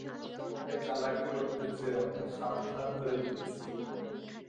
আমার সঙ্গে চালাকি করতে চেয়ো না, সাবধান করে দিচ্ছি।